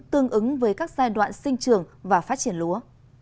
tương ứng với các giai đoạn sinh trường và phát triển lúa